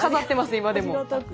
今でも。